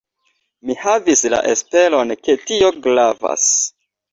Mi havis la esperon, ke tio gravas.